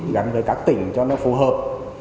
gắn với các tỉnh cho nó phù hợp